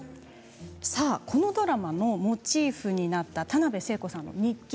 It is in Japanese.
このドラマのモチーフになった田辺聖子さんの日記